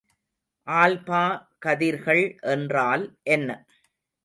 Alpha கதிர்கள் என்றால் என்ன?